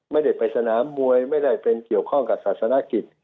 ไม่ได้ไปสนามมวยไม่ได้เป็นเกี่ยวข้องกับศาสนกิจ